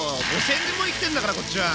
５０００年も生きてるんだからこっちは。